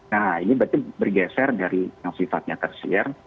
nah ini berarti bergeser dari yang sifatnya tersier